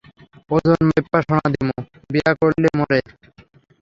ওজন মাইপ্পা সোনা দিমু, বিয়া করলে মোরে।